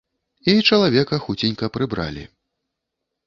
І чалавека хуценька прыбралі.